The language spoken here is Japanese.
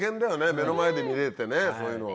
目の前で見れてねそういうのが。